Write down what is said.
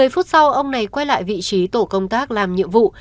một mươi phút sau ông này quay lại vị trí tổ công tác làm nhiệm vụ